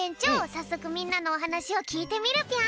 さっそくみんなのおはなしをきいてみるぴょん。